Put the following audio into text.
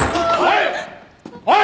おい！